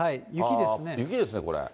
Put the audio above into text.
雪ですね、これ。